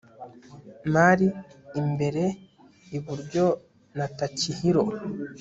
mari imbere iburyo na takahiro